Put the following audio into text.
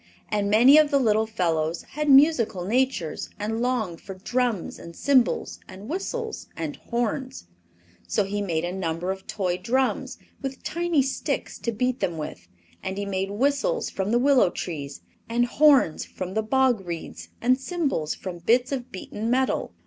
And many of the little fellows had musical natures, and longed for drums and cymbals and whistles and horns. So he made a number of toy drums, with tiny sticks to beat them with; and he made whistles from the willow trees, and horns from the bog reeds, and cymbals from bits of beaten metal.